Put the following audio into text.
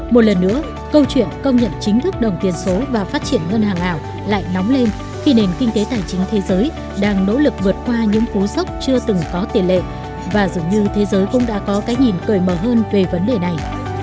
một lần nữa câu chuyện công nhận chính thức đồng tiền số và phát triển ngân hàng ảo lại nóng lên khi nền kinh tế tài chính thế giới đang nỗ lực vượt qua những cú sốc chưa từng có tiền lệ và dường như thế giới cũng đã có cái nhìn cởi mở hơn về vấn đề này